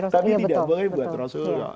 tapi tidak boleh buat rasulullah